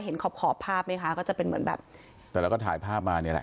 ขอขอบภาพไหมคะก็จะเป็นเหมือนแบบแต่เราก็ถ่ายภาพมาเนี่ยแหละ